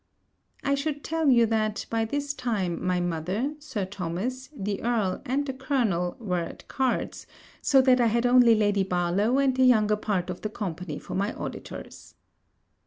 I should tell you that, by this time, my mother, Sir Thomas, the Earl, and the Colonel, were at cards, so that I had only Lady Barlowe and the younger part of the company for my auditors.